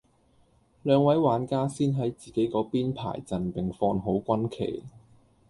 兩位玩家先喺自己嗰邊排陣並放好軍旗